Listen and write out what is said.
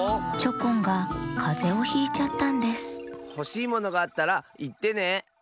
チョコンがかぜをひいちゃったんですほしいものがあったらいってね。